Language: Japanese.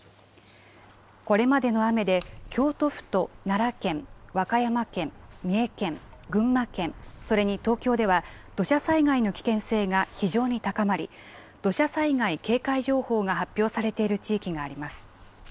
これまでの雨で京都府と奈良県、和歌山県、三重県、群馬県、それに東京では土砂災害の危険性が非常に高まり土砂災害警戒情報が発表されている地域があります。